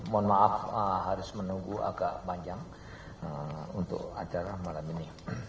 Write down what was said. mohon maaf harus menunggu agak panjang untuk acara malam ini